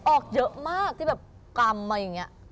ออกเยอะมากที่แบบกำมาอย่างนี้